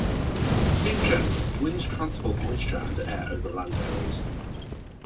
In general, winds transport moisture and air over land areas.